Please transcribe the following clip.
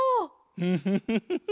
フフフフフ。